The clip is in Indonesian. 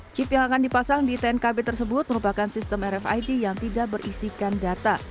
chip yang akan dipasang di tnkb tersebut merupakan sistem rfid yang tidak berisikan data